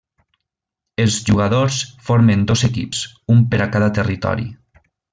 Els jugadors formen dos equips, un per a cada territori.